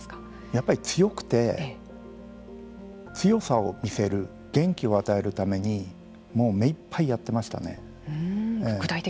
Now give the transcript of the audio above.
やっぱり強くて強さを見せる元気を与えるためにもう目いっぱいやってましたね。